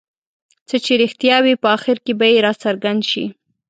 څه چې رښتیا وي په اخر کې به یې راڅرګند شي.